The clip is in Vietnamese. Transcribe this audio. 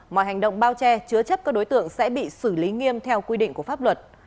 mọi hành động bao che chứa chấp các đối tượng sẽ bị xử lý nghiêm theo quy định của pháp luật